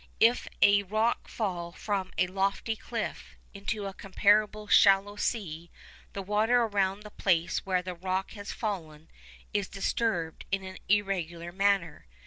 If a rock fall from a lofty cliff into a comparatively shallow sea, the water around the place where the rock has fallen is disturbed in an irregular manner.